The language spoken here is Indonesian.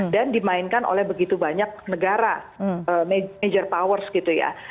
dan dimainkan oleh begitu banyak negara major powers gitu ya